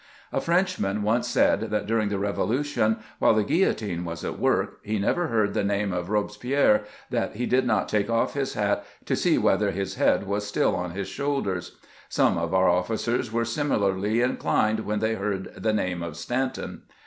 A Frenchman once said that during the Revolution, while the gtdllotine was at work, he never heard the name of Robespierre that he did not take off his hat to see whether his head was still pn his shoul ders ; some of our officers were similarly inclined when they heard the name of Stanton.